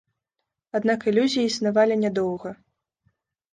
Аднак ілюзіі існавалі нядоўга.